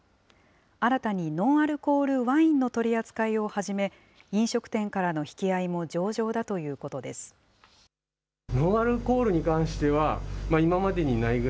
新たにノンアルコールワインの取り扱いを始め、飲食店からの引き合いも上々だということです。